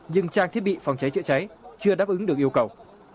nhưng trang thiết bị phòng cháy chữa cháy chưa đáp ứng được yêu cầu